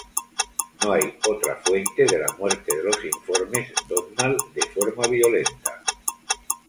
No hay otra fuente de la muerte de los informes Domnall de forma violenta.